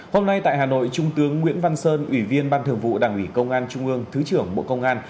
hôm nay tại hà nội trung tướng nguyễn văn sơn ủy viên ban thường vụ đảng ủy công an trung ương thứ trưởng bộ công an